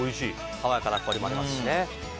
華やかな香りもありますしね。